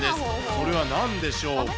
それはなんでしょうか。